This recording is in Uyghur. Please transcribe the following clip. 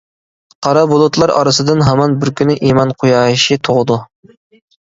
قارا بۇلۇتلار ئارىسىدىن ھامان بىر كۈنى ئىمان قۇياشى تۇغىدۇ.